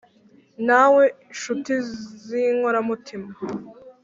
namwe nshuti z’inkora mutima